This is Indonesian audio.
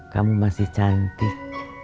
kamu masih cantik